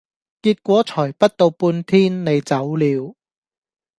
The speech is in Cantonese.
結果才不到半天，你走了。